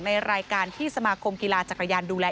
ในรายการที่สมาคมกีฬาจักรยานดูแล